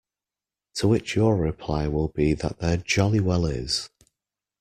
To which your reply will be that there jolly well is.